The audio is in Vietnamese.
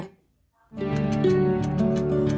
hẹn gặp lại